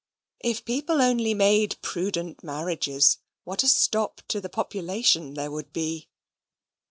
If people only made prudent marriages, what a stop to population there would be!